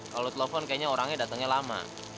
kalau telepon kayaknya orangnya datangnya lama